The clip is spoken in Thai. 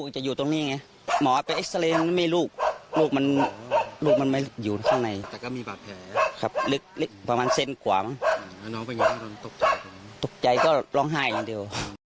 ตกใจก็ร้องไห้อย่างเดียว